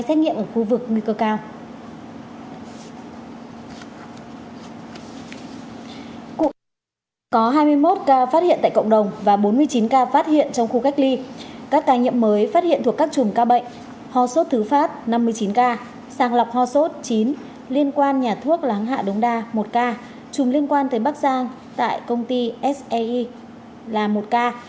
các ca nhiễm mới phát hiện thuộc các chùm ca bệnh ho sốt thứ phát năm mươi chín ca sàng lọc ho sốt chín liên quan nhà thuốc láng hạ đống đa một ca chùm liên quan tới bắc giang tại công ty sae là một ca